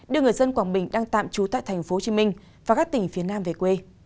đưa người dân quảng bình đang tạm trú tại tp hcm và các tỉnh phía nam về quê